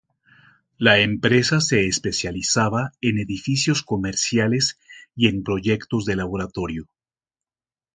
La empresa se especializaba en edificios comerciales y en proyectos de laboratorio.